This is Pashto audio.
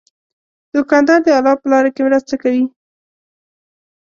دوکاندار د الله په لاره کې مرسته کوي.